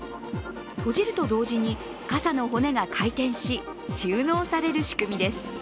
閉じると同時に傘の骨が回転し収納される仕組みです。